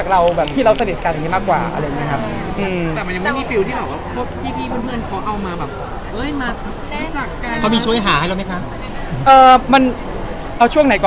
อย่างล่าสุดรีบไปเจอน้องที่ซุปเปอร์มาร์เก็ตแห่งหนึ่ง